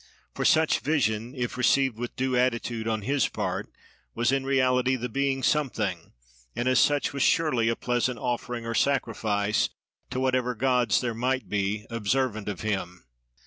For, such vision, if received with due attitude on his part, was, in reality, the being something, and as such was surely a pleasant offering or sacrifice to whatever gods there might be, observant of him.